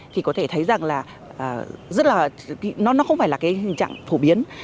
thì có thể thấy rằng là nó không phải là cái hình trạng phổ biến